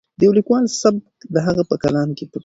د یو لیکوال سبک د هغه په کلام کې پټ وي.